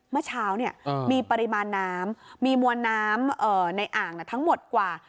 เมื่อเช้าเนี่ยมีปริมาณน้ำมีมวลน้ำในอ่างทั้งหมดกว่า